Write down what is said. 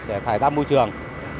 để thải ra môi trường